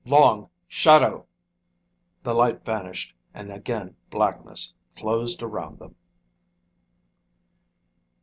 "Long Shadow!" The light vanished and again blackness closed around them.